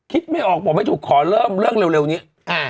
ไม่ออกบอกไม่ถูกขอเริ่มเรื่องเร็วนี้